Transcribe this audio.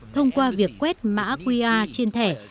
thông qua việc quét mã qr trên thẻ